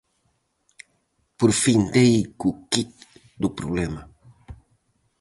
Por fin dei co quid do problema.